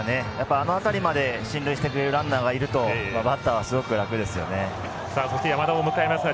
あの辺りまで進塁してくれるランナーがいるとバッターはすごく楽ですよね。